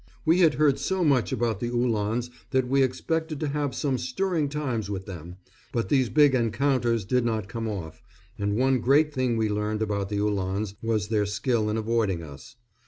We had heard so much about the Uhlans that we expected to have some stirring times with them; but these big encounters did not come off, and one great thing we learned about the Uhlans was their skill in avoiding us.